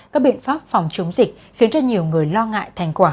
các biện pháp phòng chống dịch khiến cho nhiều người lo ngại thành quả